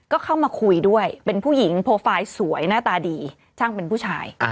ก็เข้ามาคุยด้วยเป็นผู้หญิงโปรไฟล์สวยหน้าตาดีช่างเป็นผู้ชาย